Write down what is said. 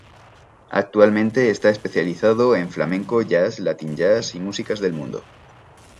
Actualmente está especializado en flamenco, jazz, latin jazz y músicas del mundo.